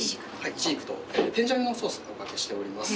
イチジクとテンジャンユソースをお掛けしております。